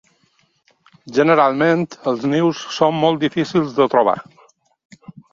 Generalment els nius són molt difícils de trobar.